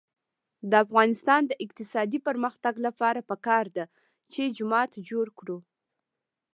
د افغانستان د اقتصادي پرمختګ لپاره پکار ده چې جومات جوړ کړو.